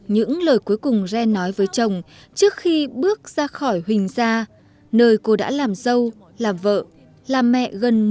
những lời cuối cùng ren nói với chồng trước khi bước ra khỏi huynh gia nơi cô đã làm dâu làm vợ làm mẹ gần một mươi năm